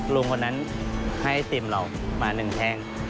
ลุงคนนั้นให้ไอติมเรามาหนึ่งแทง